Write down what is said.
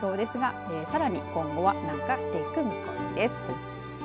この流氷ですが、さらに今後は南下していく見込みです。